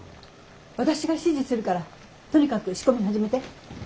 私が指示するからとにかく仕込み始めて。